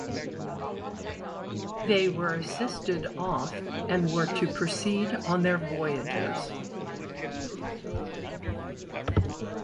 They were assisted off and were to proceed on their voyages.